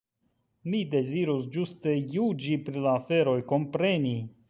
Mi dezirus ĝuste juĝi pri la aferoj, kompreni.